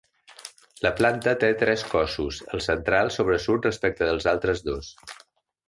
La planta té tres cossos, el central sobresurt respecte als altres dos.